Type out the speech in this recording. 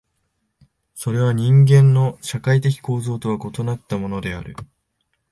それは人間の社会的構造とは異なったものである。